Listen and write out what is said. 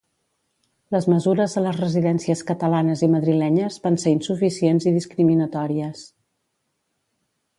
Les mesures a les residències catalanes i madrilenyes van ser insuficients i discriminatòries.